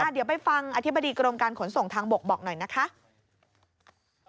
เดี๋ยวไปฟังอธิบดีกรมการขนส่งทางบกบอกหน่อยนะคะ